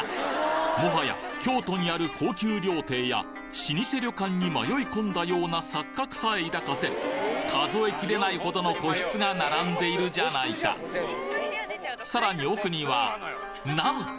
もはや京都にある高級料亭や老舗旅館に迷い込んだような錯覚さえ抱かせる数えきれないほどの個室が並んでいるじゃないかさらに奥にはなんと！